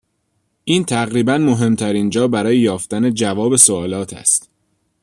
این تقریبا مهمترین جا برای یافتن جواب سوالات است.